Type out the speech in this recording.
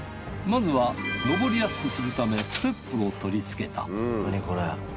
まずは上りやすくするためステップを取り付けた